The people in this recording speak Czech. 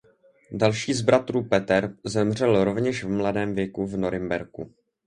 Další z bratrů Peter zemřel rovněž v mladém věku v Norimberku.